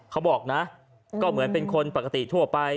เขาบอกนะก็เหมือนเป็นคนปกติทั่วไป